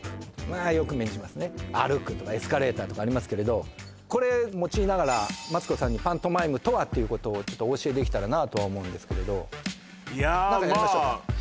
あよく目にしますね歩くとかエスカレーターとかありますけれどこれ用いながらマツコさんにパントマイムとはっていうことをお教えできたらなとは思うんですけれど何かやりましょうか？